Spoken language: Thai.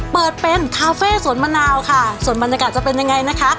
เปิดเป็นคาเฟ่สวนมะนาวค่ะส่วนบรรยากาศจะเป็นยังไงนะคะ